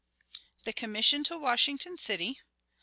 The Commission to Washington City.